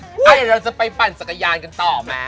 เฮ้ยเราจะไปปั่นสักกะยานกันต่อมั้ย